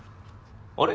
あれ？